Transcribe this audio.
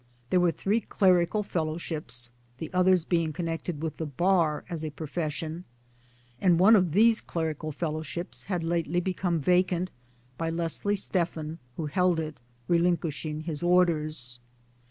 There were three clerical Fellowships (the others being connected with the Bar as a profession), and one of these clerical Fellowships had lately become vacant by Leslie Stephen, who held it, relinquishing his Orders.